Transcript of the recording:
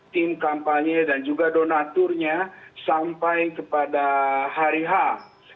tim kampanye dan juga donaturnya sampai kepada hari h